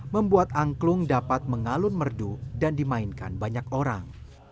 membuat angklung dapat mengalun merdu dan dimainkan banyak orang